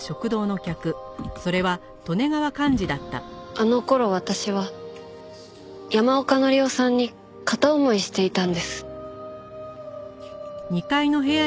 あの頃私は山岡紀夫さんに片思いしていたんです。